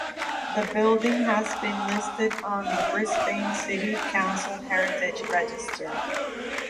The building has been listed on the Brisbane City Council Heritage Register.